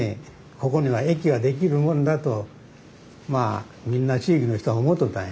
ここには駅が出来るもんだとみんな地域の人は思っとったんやね。